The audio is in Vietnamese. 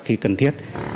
khi cần thiết